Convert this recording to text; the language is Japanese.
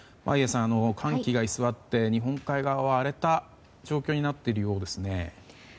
眞家さん寒気が居座って日本海側は荒れた状況になっているようですね。